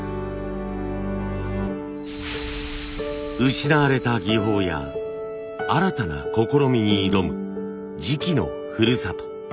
失われた技法や新たな試みに挑む磁器のふるさと。